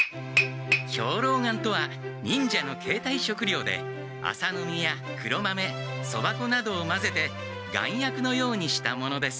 兵糧丸とは忍者のけいたい食料で麻の実や黒豆そば粉などをまぜて丸薬のようにしたものです。